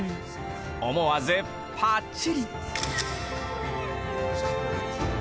思わずパチリ。